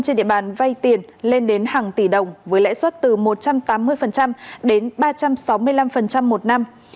trên địa bàn vay tiền lên đến hàng tỷ đồng với lãi suất từ một trăm tám mươi đến ba trăm sáu mươi năm một năm